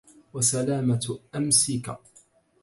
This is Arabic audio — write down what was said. وَسَلَامَةُ أَمْسِك